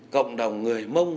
cộng đồng người mông